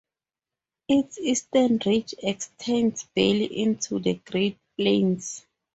Its eastern range extends barely into the Great Plains.